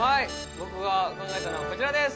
僕が考えたのはこちらです。